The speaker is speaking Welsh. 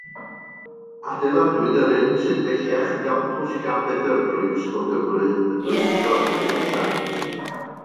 Adeiladwyd yr hyn sydd bellach yn gampws Llanbedr Prifysgol Cymru, y Drindod Dewi Sant.